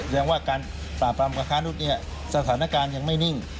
ยังว่าการปราบปรามกับค้านุษย์เนี่ยสถานการณ์ยังไม่นิ่ง